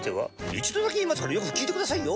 一度だけ言いますからよく聞いてくださいよ。